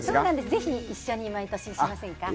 ぜひ一緒に毎年しませんか？